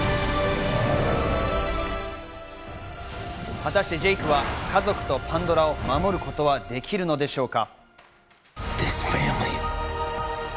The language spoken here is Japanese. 果たしてジェイクは家族とパンドラを守ることができるのでしょうか。